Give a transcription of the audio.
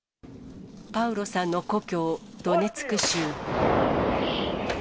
パウロさんの故郷、ドネツク州。